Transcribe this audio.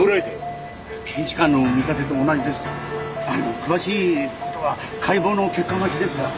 詳しい事は解剖の結果待ちですが。